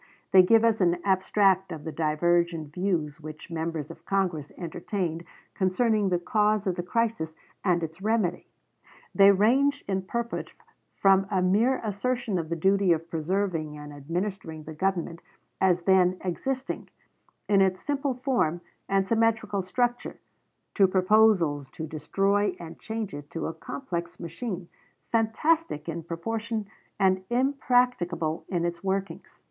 They give us an abstract of the divergent views which Members of Congress entertained concerning the cause of the crisis and its remedy. They range in purport from a mere assertion of the duty of preserving and administering the government as then existing, in its simple form and symmetrical structure, to proposals to destroy and change it to a complex machine, fantastic in proportion and impracticable in its workings.